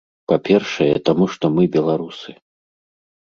Па першае, таму што мы беларусы.